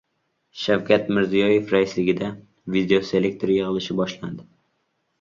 Shavkat Mirziyoyev raisligida videoselektor yig‘ilishi boshlandi